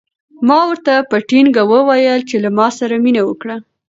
ما ورته په ټینګه وویل چې له ما سره مینه وکړه.